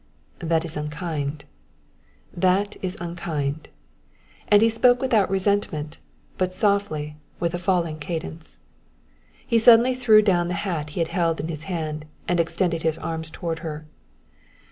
"That is unkind, that is unkind," and he spoke without resentment, but softly, with a falling cadence. He suddenly threw down the hat he had held in his hand, and extended his arms toward her.